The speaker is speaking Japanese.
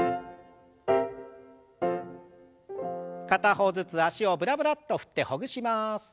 片方ずつ脚をブラブラッと振ってほぐします。